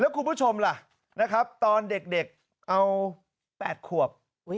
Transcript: แล้วคุณผู้ชมล่ะตอนเด็กเอา๘ขวบ